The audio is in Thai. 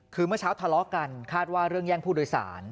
คือเมื่อเช้าทะเลาะกันคาดว่าเรื่องแย่งผู้โดยสาร